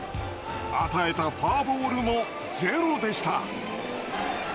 与えたフォアボールもゼロでした。